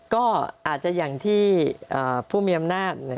ก็อาจจะอย่างที่ผู้มีอำนาจ